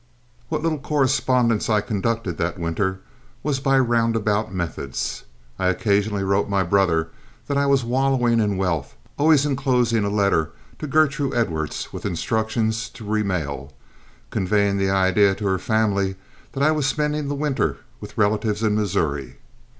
What little correspondence I conducted that winter was by roundabout methods. I occasionally wrote my brother that I was wallowing in wealth, always inclosing a letter to Gertrude Edwards with instructions to remail, conveying the idea to her family that I was spending the winter with relatives in Missouri.